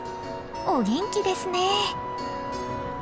お元気ですね。